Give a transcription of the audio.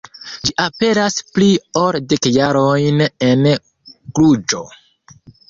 Ĝi aperas pli ol dek jarojn en Kluĵo.